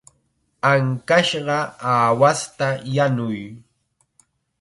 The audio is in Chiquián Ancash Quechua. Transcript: Ankashqa aawasta yanuy.